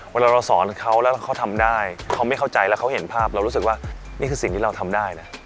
เวลาเราสอนเขาแล้วเขาทำได้เขาไม่เข้าใจแล้วเขาเห็นภาพเรารู้สึกว่านี่คือสิ่งที่เราทำได้นะ